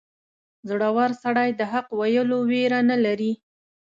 • زړور سړی د حق ویلو ویره نه لري.